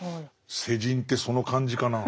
世人ってその感じかな。